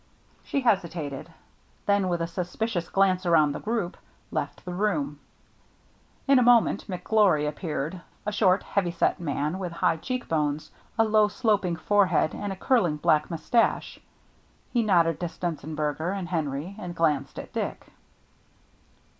She hesitated ; then with a suspicious glance around the group left the room. In a moment McGlory appeared, a short, heavy set man with high cheek bones, a low, sloping forehead, and a curling black mus~ tache. He nodded to Stenzenberger and Henry, and glanced at Dick.